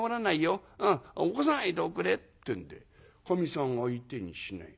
うん起こさないでおくれ」ってんでかみさん相手にしない。